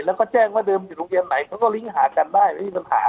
แล้วก็แจ้งว่าเดินเป็นโรงเกียร์ไหนก็ก็ลิ้งค์หากันได้ไม่มีปัญหา